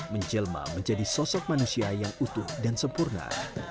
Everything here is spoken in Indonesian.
menjelma menjadi sosok manusia yang utuh dan sempurna